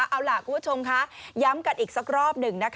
เอาล่ะคุณผู้ชมค่ะย้ำกันอีกสักรอบหนึ่ง